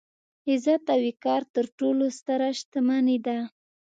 عزت او وقار تر ټولو ستره شتمني ده.